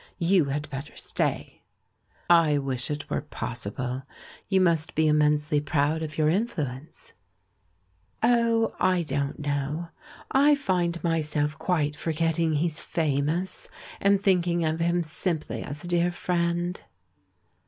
You had better stay." "I wish it were possible. You must be im mensely proud of your influence?" S74i THE MAN WHO UNDERSTOOD WOMEN "Oh, I don't know. I find myself quite for getting he's famous, and thinking of him simply as a dear friend."